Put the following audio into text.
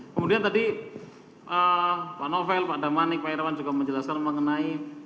kemudian tadi pak novel pak damanik pak irawan juga menjelaskan mengenai